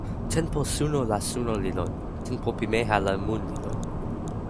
tenpo suno la suno li lon. tenpo pimeja la mun li lon.